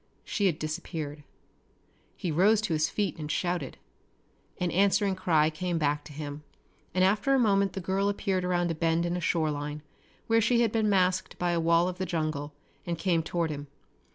She had disappeared. He rose to his feet and shouted. An answering cry came back to him, and after a moment the girl appeared around a bend in a shoreline where she had been masked by a wall of the jungle and came toward him.